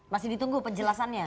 masih ditunggu penjelasannya